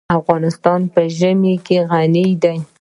افغانستان په ژمی غني دی.